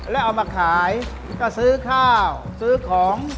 แล้วเอามาขายก็ซื้อข้าวซื้อของ